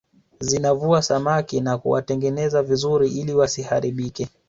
Zinavua samaki na kuwatengeneza vizuri ili wasiharibike